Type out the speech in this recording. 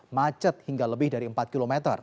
macet hingga lebih dari empat km